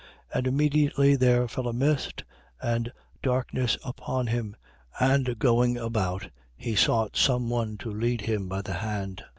And immediately there fell a mist and darkness upon him: and going about, he sought some one to lead him by the hand.